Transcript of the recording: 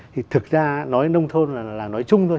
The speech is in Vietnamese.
thì thực ra nói nông thôn là nói chung thôi